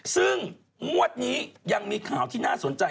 ซึ่งงวดนี้ยังมีข่าวที่น่าสนใจ